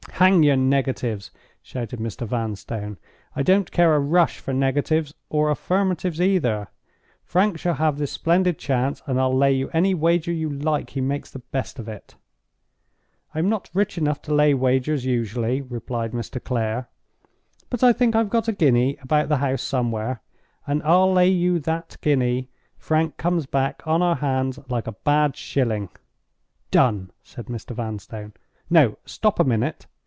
"Hang your negatives!" shouted Mr. Vanstone. "I don't care a rush for negatives, or affirmatives either. Frank shall have this splendid chance; and I'll lay you any wager you like he makes the best of it." "I am not rich enough to lay wagers, usually," replied Mr. Clare; "but I think I have got a guinea about the house somewhere; and I'll lay you that guinea Frank comes back on our hands like a bad shilling." "Done!" said Mr. Vanstone. "No: stop a minute!